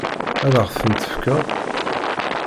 Ad ɣ-ten-tefkeḍ?